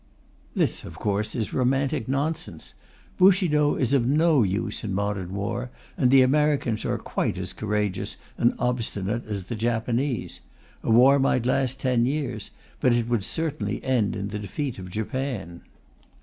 This, of course, is romantic nonsense. Bushido is no use in modern war, and the Americans are quite as courageous and obstinate as the Japanese. A war might last ten years, but it would certainly end in the defeat of Japan.